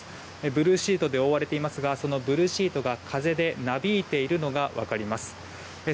ブルーシートで覆われていますがそのブルーシートが風でなびいているのが分かります。